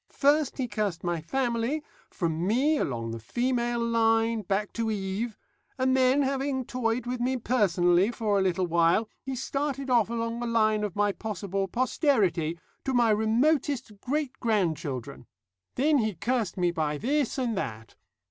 First he cursed my family, from me along the female line back to Eve, and then, having toyed with me personally for a little while, he started off along the line of my possible posterity to my remotest great grandchildren. Then he cursed me by this and that.